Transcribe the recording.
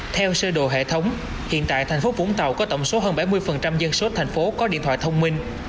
theo sơ đồ hệ thống hiện tại thành phố vũng tàu có tổng số hơn bảy mươi dân số thành phố có điện thoại thông minh